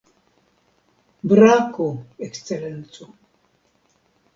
Brako, Ekscelenco.